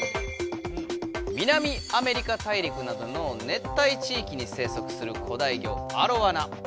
南アメリカ大陸などの熱帯地いきに生息する古代魚アロワナ。